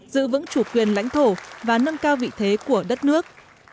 giữ vững chủ quyền lãnh thổ và nâng cao vị thế của đất nước